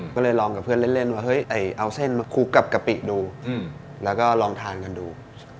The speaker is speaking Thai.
ก็เลยลองกับเพื่อนเล่นว่าเฮ้ยเอาเส้นมาคลุกกับกะปิดูแล้วก็ลองทานกันดู